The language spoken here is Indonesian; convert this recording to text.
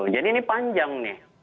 jadi ini panjang